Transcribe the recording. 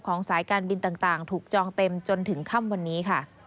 สายการบินต่างถูกจองเต็มจนถึงค่ำวันนี้ค่ะ